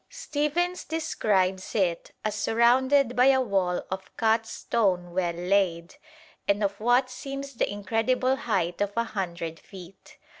Stephens describes it as surrounded by a wall of cut stone well laid, and of what seems the incredible height of a hundred feet.